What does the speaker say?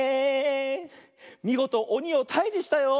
みごとおにをたいじしたよ。